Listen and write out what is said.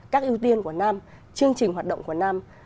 các ưu tiên của năm chương trình hoạt động của năm